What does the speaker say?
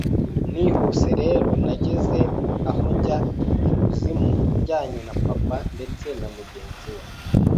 Nihuse rero nageze aho njya I kuzimu njyanye na papa ndetse na mugenzi we